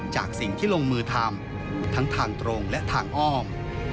จากสิ่งที่ลงมือทำทั้งทางตรงและทางอ้อม